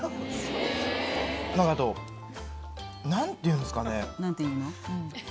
何かあと何ていうんですかね。